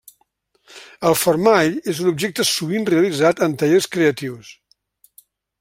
El fermall és un objecte sovint realitzat en tallers creatius.